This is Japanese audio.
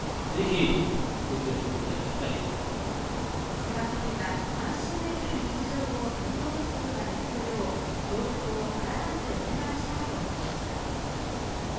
菅総理は安心できる日常を取り戻すことができるよう、協力を改めてお願いしたいと述べました。